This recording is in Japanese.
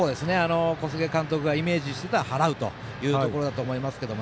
小菅監督がイメージしていた払うというところだと思います。